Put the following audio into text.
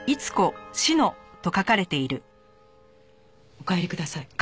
お帰りください。